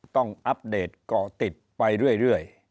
ต้องอัปเดตก่อติดไปเรื่อย